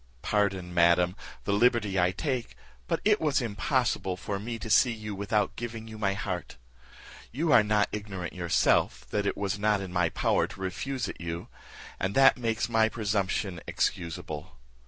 Pardon, madam, the liberty I take, but it was impossible for me to see you without giving you my heart. You are not ignorant yourself, that it was not in my power to refuse it you, and that makes my presumption excusable.